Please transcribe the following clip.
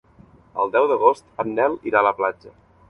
El deu d'agost en Nel irà a la platja.